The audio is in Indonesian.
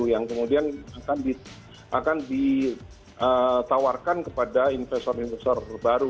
yang kemudian akan ditawarkan kepada investor investor baru